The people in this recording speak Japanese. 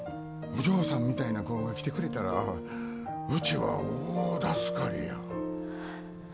お嬢さんみたいな子が来てくれたらうちは大助かりや。